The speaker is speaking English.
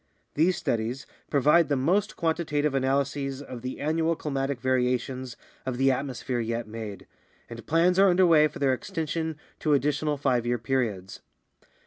These studies provide the most quantitative analyses of the annual climatic variations of the atmosphere yet made, and plans are under way for their extension to additional five year periods.